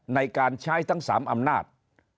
ในการใช้ทั้ง๓อำนาจ